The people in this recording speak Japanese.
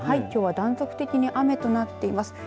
きょうは断続的に雨となっています。